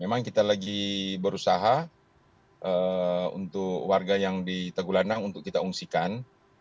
memang kita lagi berusaha untuk warga yang di tegulandang untuk kita ungsikan